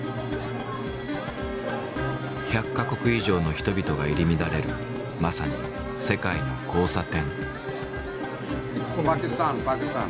１００か国以上の人々が入り乱れるまさに世界の交差点。